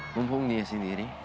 mumpung dia sendiri